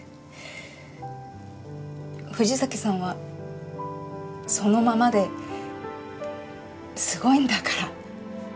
藤崎さんはそのままですごいんだから。